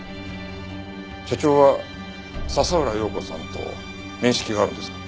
社長は佐々浦洋子さんと面識があるんですか？